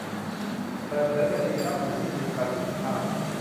เปิดเผยบัญชีทรัพย์สินที่มีประสิทธิภาพ